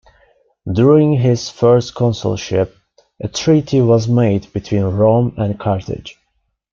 During his first consulship, a treaty was made between Rome and Carthage.